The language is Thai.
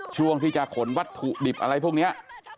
ช่วงที่จะขนวัตถุดิบอะไรพวกนี้